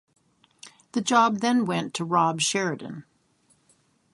The job then went to Rob Sheridan.